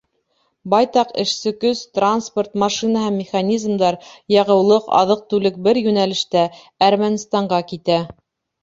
Байтаҡ эшсе көс, транспорт, машина һәм механизмдар, яғыулыҡ, аҙыҡ-түлек бер йүнәлештә — Әрмәнстанға китә.